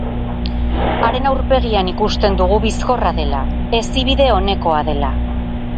Haren aurpegian ikusten dugu bizkorra dela, hezibide onekoa dela.